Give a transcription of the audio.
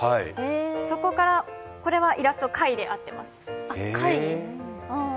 そこから、これはイラスト、貝で合ってます。